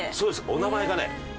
お名前がね